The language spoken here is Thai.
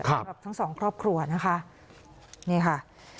สำหรับทั้งสองครอบครัวนะคะนี่ค่ะ